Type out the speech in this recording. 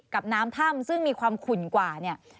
กับน้ำถ้ำซึ่งมีความขุ่นกว่าเนี่ย